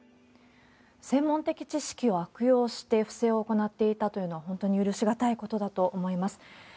専門的知識を悪用して不正を行っていたというのは、本当に許しがたいことだと思います。